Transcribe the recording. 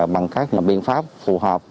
bằng các biện pháp phù hợp